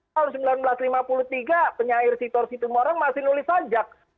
tahun seribu sembilan ratus lima puluh tiga penyair situr situr orang masih nulis ajak